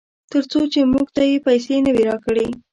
ترڅو چې موږ ته یې پیسې نه وي راکړې.